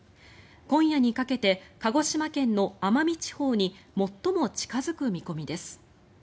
今夜にかけて鹿児島県の奄美地方に最も近付く見込みです。